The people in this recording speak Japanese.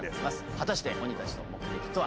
果たして鬼たちの目的とは？